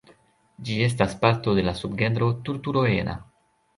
Ĝi estas parto de la subgenro "Turturoena".